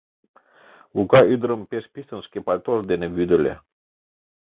Лука ӱдырым пеш писын шке пальтож дене вӱдыльӧ.